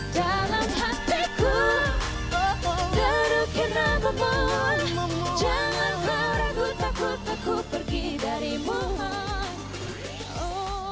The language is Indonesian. dalam hatiku terukir namamu